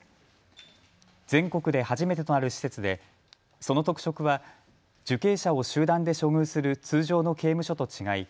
全国で初めてとなる施設でその特色は受刑者を集団で処遇する通常の刑務所と違い